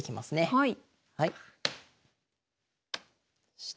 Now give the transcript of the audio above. はい。